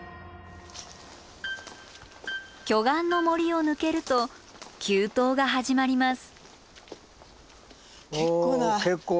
巨岩の森を抜けると急登が始まります。